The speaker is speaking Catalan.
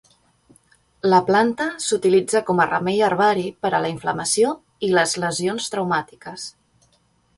La planta s'utilitza com a remei herbari per a la inflamació i les lesions traumàtiques.